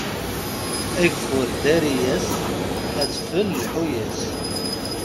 Ageffur, ddari-yas; adfel, lḥu-yas.